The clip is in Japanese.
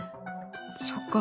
そっか。